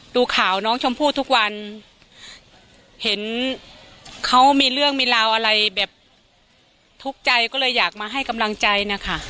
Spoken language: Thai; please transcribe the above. ดูข่าวน้องชมพู่ทุกวันเห็นเขามีเรื่องมีราวอะไรแบบทุกข์ใจก็เลยอยากมาให้กำลังใจนะคะ